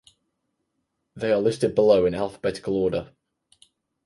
They are listed below in alphabetical order.